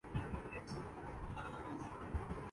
گلاب اور چنبیلی کے پھولوں کا نام ہم بچپن سے سنتے آ رہے ہیں